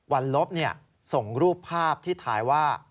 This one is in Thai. วันลบส่งรูปภาพที่ถ่ายว่า